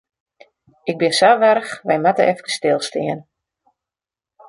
Ik bin sa warch, wy moatte efkes stilstean.